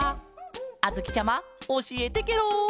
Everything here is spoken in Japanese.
あづきちゃまおしえてケロ！